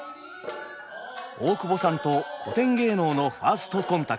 大久保さんと古典芸能のファーストコンタクト。